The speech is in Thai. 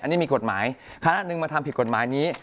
อันนี้มีกฎหมายคณะหนึ่งมาทำผิดกฎหมายนี้